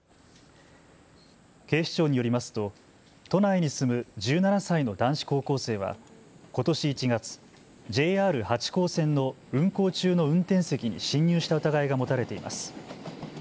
警視庁によりますと都内に住む１７歳の男子高校生はことし１月、ＪＲ八高線の運行中の運転席に侵入した疑いが持たれています。